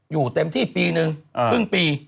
อยู่เต็มที่ปีนึงครึ่งปี